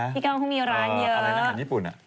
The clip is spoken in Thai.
อะไรอาหารญี่ปุ่นอ่ะ